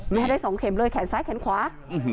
แม่ได้สองเข็มเลยแขนซ้ายแขนขวา